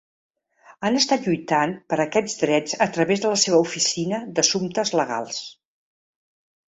Han estat lluitant per aquests drets a través de la seva Oficina d'Assumptes Legals.